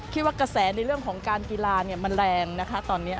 กระแสในเรื่องของการกีฬามันแรงนะคะตอนนี้